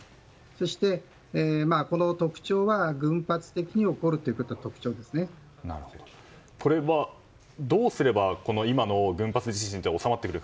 そして、この特徴は群発的に起こるというのがこれはどうすれば今の群発地震って収まってくると？